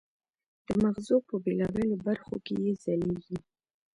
د مغزو په بېلابېلو برخو کې یې ځلېږي.